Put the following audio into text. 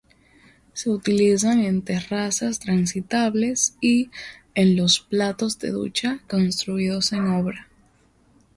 Se utilizan en terrazas transitables y en los platos de ducha construidos en obra.